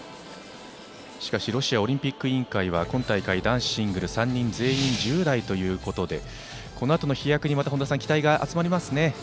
しかしロシアオリンピック委員会は今大会、男子シングル３人全員が１０代ということでこのあとの飛躍にまた期待が集まりますね。